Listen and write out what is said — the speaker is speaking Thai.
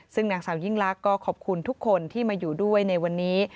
ซึ่งนางสาวยิ่งลักษณ์ก็ขอบคุณทุกคนที่มาอยู่ด้วยในวันนี้